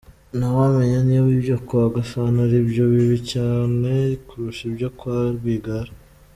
Nta wamenya niba ibyo kwa Gasana ari byo bibi cyane kurusha ibyo kwa Rwigara.